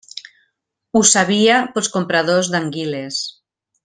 Ho sabia pels compradors d'anguiles.